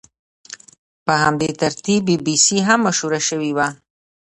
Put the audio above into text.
په همدې ترتیب بي بي سي هم مشهوره شوې وه.